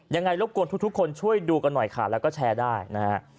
รบกวนทุกคนช่วยดูกันหน่อยค่ะแล้วก็แชร์ได้นะฮะ